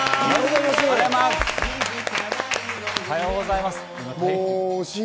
おはようございます。